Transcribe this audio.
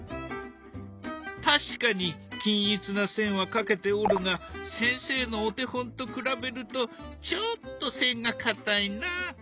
確かに均一な線は描けておるが先生のお手本と比べるとちょっと線がかたいな。